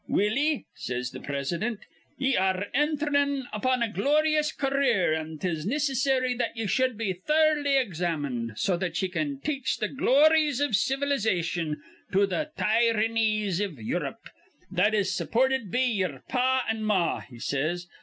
'Willie,' says th' Prisident, 'ye ar re enthrin' upon a gloryous car eer, an' 'tis nic'ssry that ye shud be thurly examined, so that ye can teach th' glories iv civilization to th' tyr ranies iv Europe that is supported be ye'er pah an' mah,' he says.